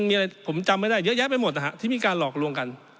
มีอะไรผมจำไม่ได้เยอะแยะไปหมดนะฮะที่มีการหลอกลวงกัน